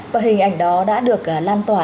và hình ảnh đó đã được lan tỏa